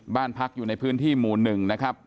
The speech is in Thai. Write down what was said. บ้านพักอยู่ในพื้นที่หมู่๑นะครับ